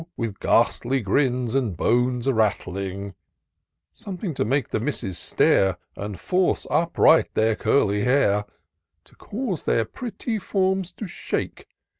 With ghastly grins, and bones a rattling ! Something to make the misses stare. And force upright their curly hair ; To cause their pretty forms to shake.